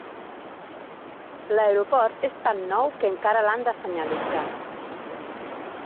L'aeroport és tan nou que encara l'han de senyalitzar.